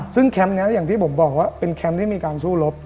ซึ่งแคมป์นี้อย่างที่ผมบอกว่าเป็นแคมป์ที่มีการสู้รบ